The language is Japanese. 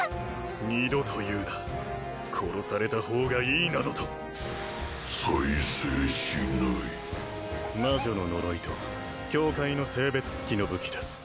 二度と言うな殺された方がいいなどと再生しない魔女の呪いと教会の聖別つきの武器です